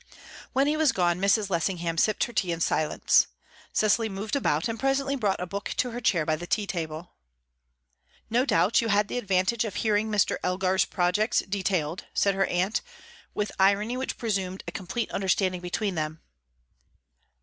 When he was gone, Mrs. Lessingham sipped her tea in silence. Cecily moved about and presently brought a book to her chair by the tea table. "No doubt you had the advantage of hearing Mr. Elgar's projects detailed," said her aunt, with irony which presumed a complete understanding between them.